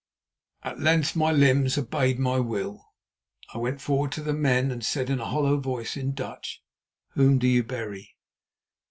At length my limbs obeyed my will. I went forward to the men and said in a hollow voice in Dutch: "Whom do you bury?"